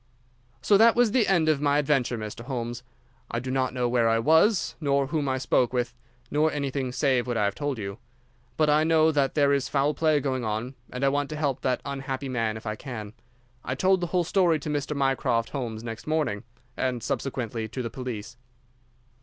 "So that was the end of my adventure, Mr. Holmes. I do not know where I was, nor whom I spoke with, nor anything save what I have told you. But I know that there is foul play going on, and I want to help that unhappy man if I can. I told the whole story to Mr. Mycroft Holmes next morning, and subsequently to the police."